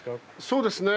そうですね。